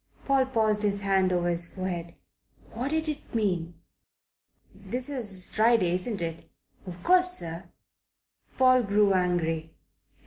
Paul passed his hand over his forehead. What did it mean? "This is Friday, isn't it?" "Of course, sir." Paul grew angry.